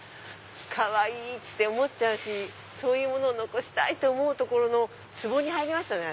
かわいい！って思っちゃうしそういうものを残したいって思うところのツボに入りましたね。